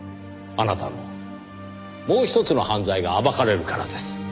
あなたのもうひとつの犯罪が暴かれるからです。